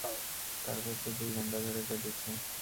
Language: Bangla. তারপর তো দুই ঘন্টা ধরে কেঁদেছে।